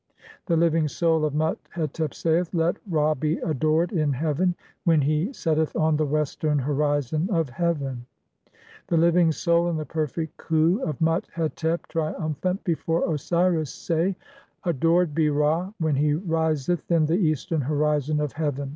VII. The living soul of Mut (2)hetep saith:— "Let (3) Ra "be adored in heaven, and when (4) he setteth on the western "horizon of heaven." VIII. (1) The living soul and the perfect Khu of Mut hetep, (2) triumphant (3) before Osiris, say :— ["Adored be Ra when "he riseth in the eastern horizon of heaven."